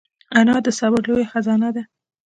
انا د صبر لویه خزانه ده